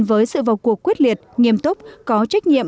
với sự vào cuộc quyết liệt nghiêm túc có trách nhiệm